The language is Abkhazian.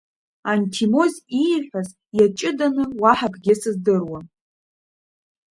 Анҭимоз ииҳәаз иаҷыданы уаҳа акгьы сыздыруам.